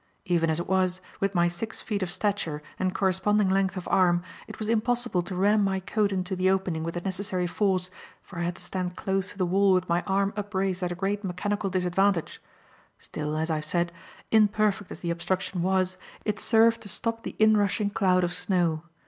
Even as it was, with my six feet of stature and corresponding length of arm, it was impossible to ram my coat into the opening with the necessary force, for I had to stand close to the wall with my arm upraised at a great mechanical disadvantage. Still, as I have said, imperfect as the obstruction was, it served to stop the inrushing cloud of snow.